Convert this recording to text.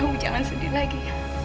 kamu jangan sedih lagi